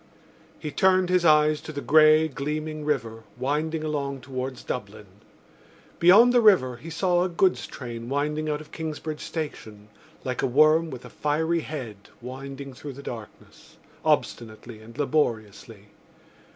He turned his eyes to the grey gleaming river, winding along towards Dublin. Beyond the river he saw a goods train winding out of Kingsbridge Station, like a worm with a fiery head winding through the darkness, obstinately and laboriously.